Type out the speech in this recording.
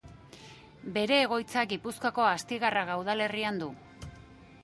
Bere egoitza Gipuzkoako Astigarraga udalerrian du.